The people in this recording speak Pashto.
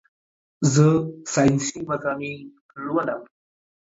زه سائنسي مضامين لولم